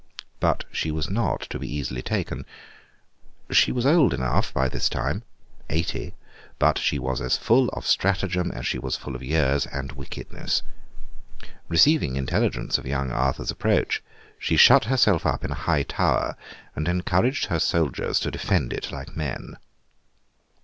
But she was not to be easily taken. She was old enough by this time—eighty—but she was as full of stratagem as she was full of years and wickedness. Receiving intelligence of young Arthur's approach, she shut herself up in a high tower, and encouraged her soldiers to defend it like men.